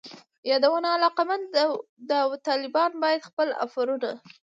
یادونه: علاقمند داوطلبان باید خپل آفرونه